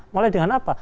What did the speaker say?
mulai dengan apa